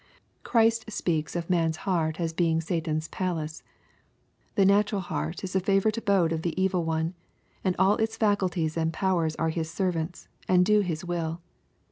Christ speaks of man's heart as being Satan's '^palace." The natural heart is the favorite abode of the evil one, and all its faculties and powers are his servants, and do his will.